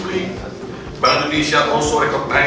tapi bank indonesia juga mengenalpami